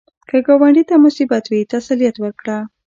که ګاونډي ته مصیبت وي، تسلیت ورکړه